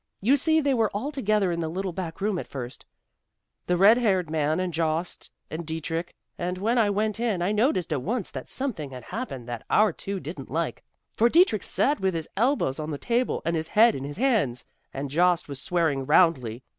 "You see they were all together in the little back room at first; the red haired man and Jost and Dietrich, and when I went in I noticed at once that something had happened that our two didn't like; for Dietrich sat with his elbows on the table and his head in his hands, and Jost was swearing roundly.